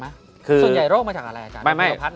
ส่วนใหญ่โรคมาจากอะไรอาจารย์